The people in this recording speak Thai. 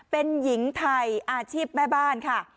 เป็นหญิงไทยอาชีพแม่บ้านค่ะ